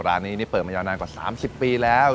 ร้านนี้นี่เปิดมายาวนานกว่า๓๐ปีแล้ว